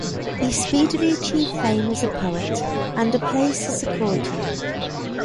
He speedily achieved fame as a poet and a place as a courtier.